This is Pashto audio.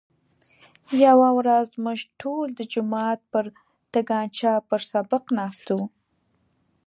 یوه ورځ موږ ټول د جومات پر تنګاچه پر سبق ناست وو.